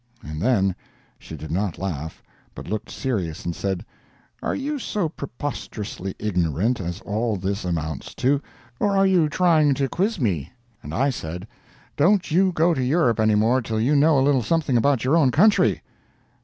And then she did not laugh, but looked serious and said, "Are you so preposterously ignorant as all this amounts to, or are you trying to quiz me?" And I said, "Don't you go to Europe anymore till you know a little something about your own country."